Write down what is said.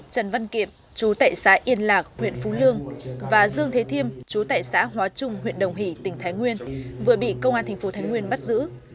trần văn kiệm chú tệ xã yên lạc huyện phú lương và dương thế thiêm chú tại xã hóa trung huyện đồng hỷ tỉnh thái nguyên vừa bị công an thành phố thái nguyên bắt giữ